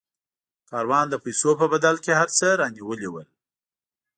کاروان د پیسو په بدل کې هر څه رانیولي ول.